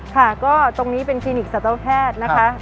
ค่ะก็ตรงนี้เป็นคลินิกสัตวแพทย์นะคะ